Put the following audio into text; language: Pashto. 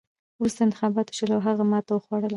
وروسته انتخابات وشول او هغه ماتې وخوړه.